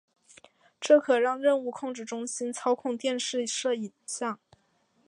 这可让任务控制中心操控电视摄像机。